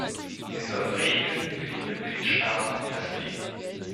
Sie soll Regeln für die Mitgliedstaaten festlegen.